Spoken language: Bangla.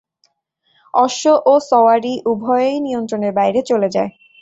অশ্ব ও সওয়ারী উভয়ই নিয়ন্ত্রণের বাইরে চলে যায়।